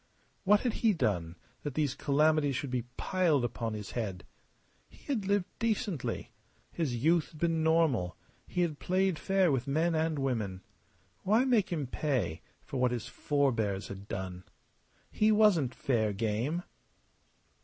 What had he done that these calamities should be piled upon his head? He had lived decently; his youth had been normal; he had played fair with men and women. Why make him pay for what his forbears had done? He wasn't fair game.